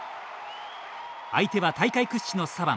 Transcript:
相手は大会屈指の左腕